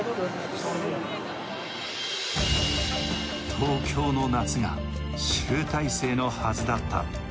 東京の夏が集大成のはずだった。